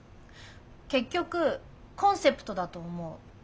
結局コンセプトだと思う。